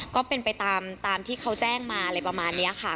ก็เป็นไปตามที่เขาแจ้งมาอะไรประมาณนี้ค่ะ